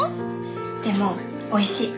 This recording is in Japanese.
でもおいしい。